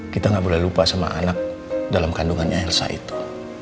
kita nggak boleh lupa sama anak dalam kandungannya elsa itu